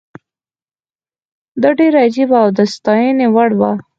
دا ډېره عجیبه او د ستاینې وړ وه.